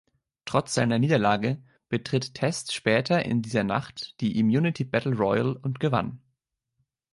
Trotz seiner Niederlage betritt Test später in dieser Nacht die Immunity Battle Royal und gewann.